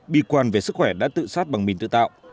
bi quan về sức khỏe đã tự sát bằng mình tự tạo